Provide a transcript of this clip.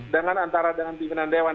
dengan antara dengan pimpinan dewan